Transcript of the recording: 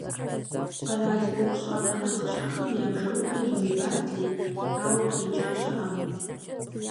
Къэрал ӏуэхущӏапӏэ нэхъыщхьэхэм я бжэӏупэр иубат Ленэ, ауэ къикӏа щыӏэкъым.